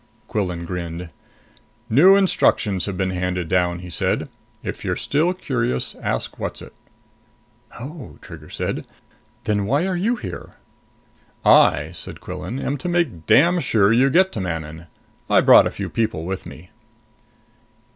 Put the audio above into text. Quillan grinned. "New instructions have been handed down," he said. "If you're still curious, ask Whatzzit." "Oh," Trigger said. "Then why are you here?" "I," said Quillan, "am to make damn sure you get to Manon. I brought a few people with me."